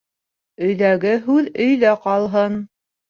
Өйҙәге һүҙ өйҙә ҡалһын.